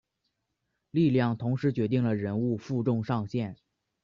力量同时决定了人物负重上限。